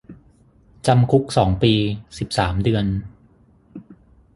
จำคุกสองปี สิบสามเดือน